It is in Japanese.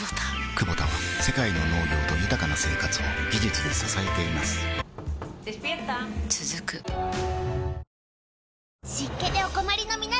クボタは世界の農業と豊かな生活を技術で支えています起きて。